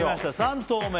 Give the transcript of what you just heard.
３投目。